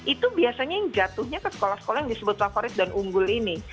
itu biasanya yang jatuhnya ke sekolah sekolah yang disebut favorit dan unggul ini